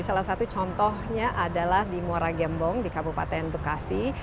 salah satu contohnya adalah di muara gembong di kabupaten bekasi